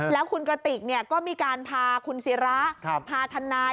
แล้วคุณกระติกก็มีการพาคุณศิราพาทนาย